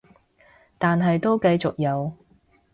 但係都繼續有